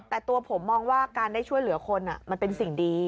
แต่ตัวผมมองว่าการได้ช่วยเหลือคนมันเป็นสิ่งดี